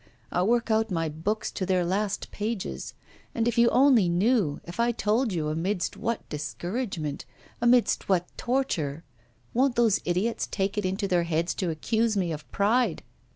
I work out my books to their last pages But if you only knew, if I told you amidst what discouragement, amidst what torture! Won't those idiots take it into their heads to accuse me of pride!